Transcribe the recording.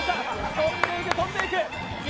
飛んでいく、飛んでいく。